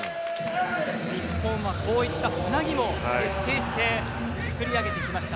日本はこういったつなぎも徹底して作り上げていきました。